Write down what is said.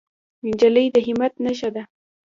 نجلۍ د همت نښه ده.